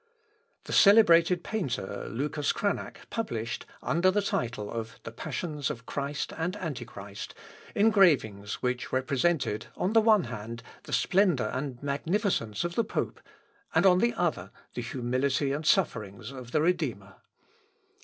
The celebrated painter, Lucas Cranach, published, under the title of the Passions of Christ and Antichrist, engravings which represented, on the one hand, the splendour and magnificence of the pope, and on the other, the humility and sufferings of the Redeemer.